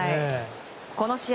この試合